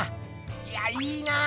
いやいいなぁ